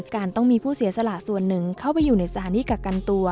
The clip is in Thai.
การต้องมีผู้เสียสละส่วนหนึ่งเข้าไปอยู่ในสถานที่กักกันตัว